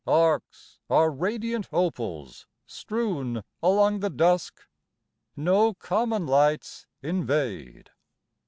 Arcs are radiant opals Strewn along the dusk... No common lights invade.